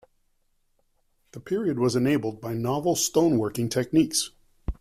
The period was enabled by novel stone working techniques.